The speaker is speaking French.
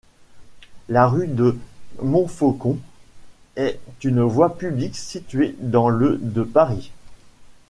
La rue de Montfaucon est une voie publique située dans le de Paris.